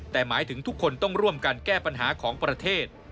แต่หมายถึงทุกคนต้องร่วมกันแก้ปัญหาของประเทศ